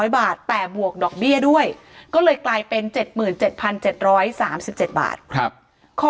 ๐บาทแต่บวกดอกเบี้ยด้วยก็เลยกลายเป็น๗๗๓๗บาท